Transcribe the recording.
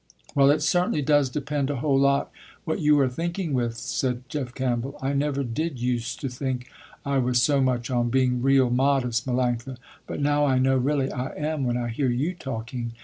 "Well it certainly does depend a whole lot what you are thinking with," said Jeff Campbell. "I never did use to think I was so much on being real modest Melanctha, but now I know really I am, when I hear you talking.